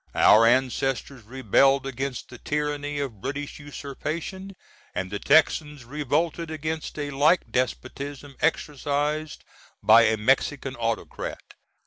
Our Ancestors rebelled against the tyranny of British usurpation, & the Texans revolted against a like despotism exercised by a Mexican Autocrat.